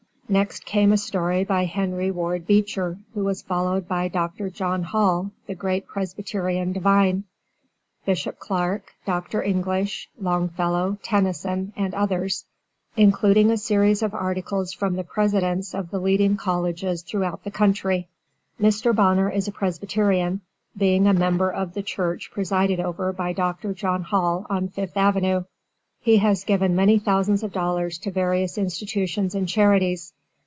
Next came a story by Henry Ward Beecher, who was followed by Dr. John Hall the great Presbyterian Divine, Bishop Clark, Dr. English, Longfellow, Tennyson, and others, including a series of articles from the presidents of the leading colleges throughout the country. Mr. Bonner is a Presbyterian, being a member of the church presided over by Dr. John Hall, on Fifth Avenue. He has given many thousands of dollars to various institutions and charities.